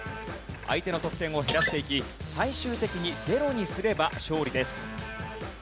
相手の得点を減らしていき最終的にゼロにすれば勝利です。